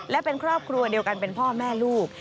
และเป็นครอบครัวเดียวกันเป็นพ่อแม่ลูก